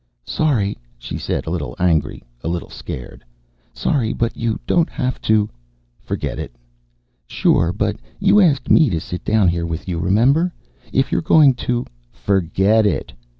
"Sorry," she said, a little angry, a little scared. "Sorry. But you don't have to " "Forget it." "Sure. But you asked me to sit down here with you, remember? If you're going to " "_Forget it!